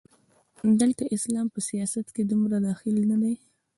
دلته اسلام په سیاست کې دومره دخیل نه دی.